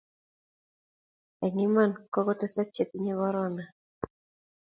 eng iman kokotesak chetinye korona